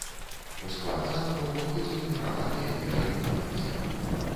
У склад замка ўваходзілі мураваныя вежа і палац.